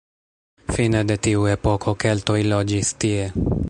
Fine de tiu epoko keltoj loĝis tie.